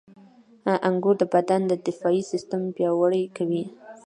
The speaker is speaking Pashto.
• انګور د بدن دفاعي سیستم پیاوړی کوي.